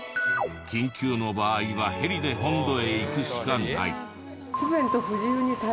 緊急の場合はヘリで本土へ行くしかない。